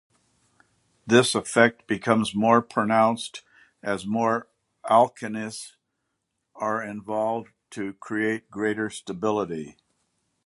This effect becomes more pronounced as more alkenes are involved to create greater stability.